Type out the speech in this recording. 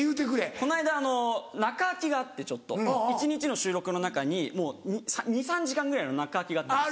この間中空きがあってちょっと一日の収録の中にもう２３時間ぐらいの中空きがあったんです。